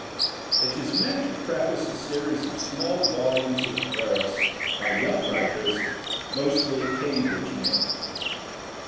It is meant to preface a series of small volumes of verse by young writers, mostly Cambridge men.